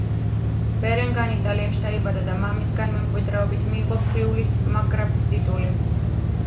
ბერენგარი იტალიაში დაიბადა და მამისგან მემკვიდრეობით მიიღო ფრიულის მარკგრაფის ტიტული.